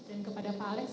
dan kepada pak alex